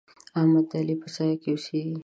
احمد د علي په سايه کې اوسېږي.